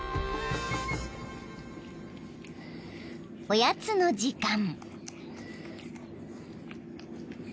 ［おやつの時間］